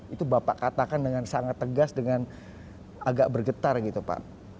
itu bapak katakan dengan sangat tegas dengan agak bergetar gitu pak